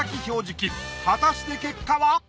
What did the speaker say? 果たして結果は！？